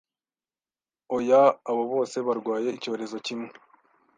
Oya abo bose barwaye icyorezo kimwe